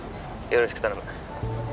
☎よろしく頼む